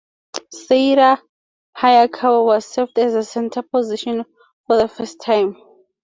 Seira Hayakawa was served as the center position for the first time.